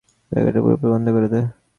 জায়গাটা পুরোপুরি বন্ধ করে দে।